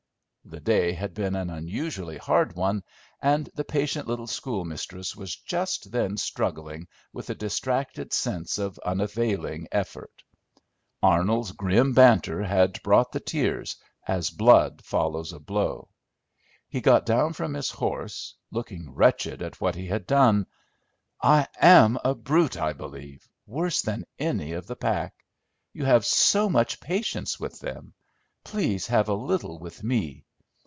The day had been an unusually hard one, and the patient little schoolmistress was just then struggling with a distracted sense of unavailing effort. Arnold's grim banter had brought the tears, as blood follows a blow. He got down from his horse, looking wretched at what he had done. "I am a brute, I believe, worse than any of the pack. You have so much patience with them, please have a little with me.